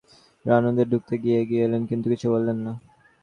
রানুদের ঢুকতে দেখে এগিয়ে এলেন কিন্তু কিছু বললেন না।